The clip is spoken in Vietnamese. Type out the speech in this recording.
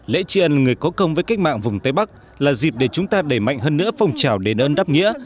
lễ tri ân người có công với cách mạng vùng tây bắc là dịp để chúng ta đẩy mạnh hơn nữa phong trào đền ơn đáp nghĩa